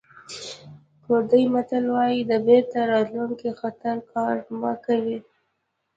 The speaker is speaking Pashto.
کوردي متل وایي د بېرته راتلونکي خطر کار مه کوئ.